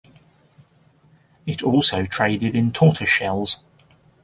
It also traded in tortoiseshells.